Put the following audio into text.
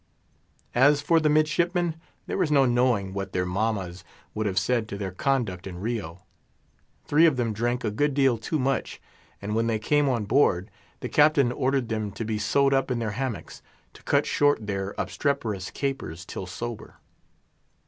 As for the midshipmen, there is no knowing what their mammas would have said to their conduct in Rio. Three of them drank a good deal too much; and when they came on board, the Captain ordered them to be sewed up in their hammocks, to cut short their obstreperous capers till sober.